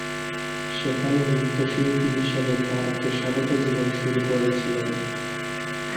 শেফালী নৃত্যশিল্পী হিসাবে তার পেশাগত জীবন শুরু করেছিলেন।